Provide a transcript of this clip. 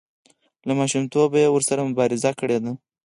له ماشومتوبه یې ورسره مبارزه کړې ده.